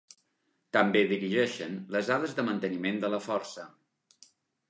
També dirigeixen les ales de manteniment de la força.